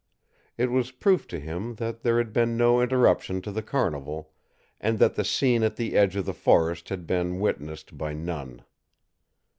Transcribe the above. It was proof to him that there had been no interruption to the carnival, and that the scene at the edge of the forest had been witnessed by none.